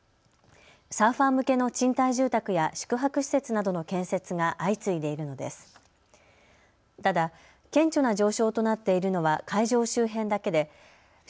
サーファー向けの賃貸住宅や宿泊施設などの建設が相次いでいるのです。